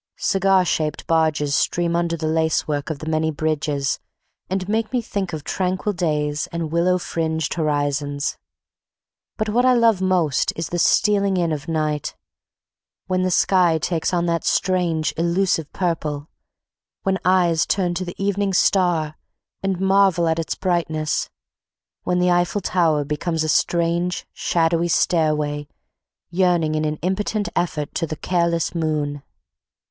Cigar shaped barges stream under the lacework of the many bridges and make me think of tranquil days and willow fringed horizons. But what I love most is the stealing in of night, when the sky takes on that strange elusive purple; when eyes turn to the evening star and marvel at its brightness; when the Eiffel Tower becomes a strange, shadowy stairway yearning in impotent effort to the careless moon.